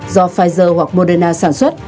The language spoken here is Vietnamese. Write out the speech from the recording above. do pfizer hoặc moderna sản xuất